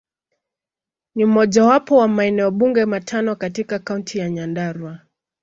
Ni mojawapo wa maeneo bunge matano katika Kaunti ya Nyandarua.